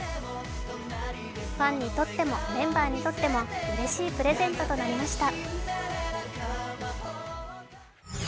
ファンにとってもメンバーにとってもうれしいプレゼントとなりました。